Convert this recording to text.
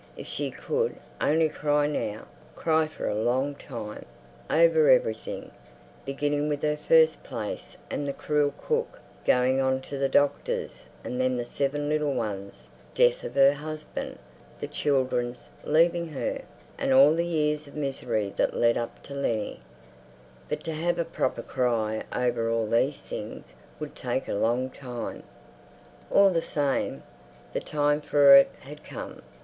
If she could only cry now, cry for a long time, over everything, beginning with her first place and the cruel cook, going on to the doctor's, and then the seven little ones, death of her husband, the children's leaving her, and all the years of misery that led up to Lennie. But to have a proper cry over all these things would take a long time. All the same, the time for it had come.